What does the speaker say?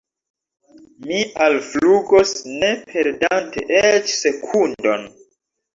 Mi alflugos, ne perdante eĉ sekundon.